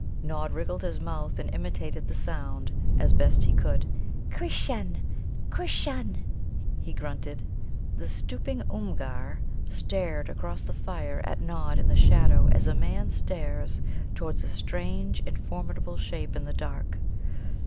Nod wriggled his mouth, and imitated the sound as best he could. "Krisshun, Krisshun," he grunted. The stooping Oomgar stared across the fire at Nod in the shadow as a man stares towards a strange and formidable shape in the dark.